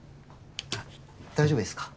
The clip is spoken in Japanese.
大丈夫ですか？